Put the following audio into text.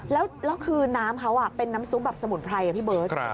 แล้วคือน้ำเขาเป็นน้ำซุปสมุนไพร